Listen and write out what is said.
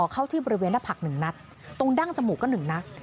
เข้าที่บริเวณหน้าผักหนึ่งนัดตรงดั้งจมูกก็หนึ่งนัด